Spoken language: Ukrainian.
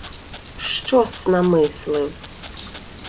— Що-с намислив?